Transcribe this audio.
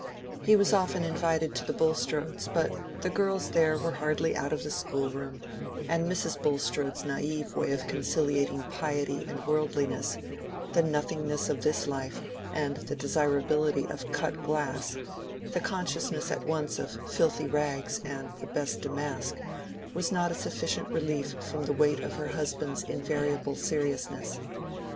He was often invited to the Bulstrodes'; but the girls there were hardly out of the schoolroom; and Mrs. Bulstrode's naive way of conciliating piety and worldliness, the nothingness of this life and the desirability of cut glass, the consciousness at once of filthy rags and the best damask, was not a sufficient relief from the weight of her husband's invariable seriousness.